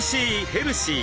ヘルシー！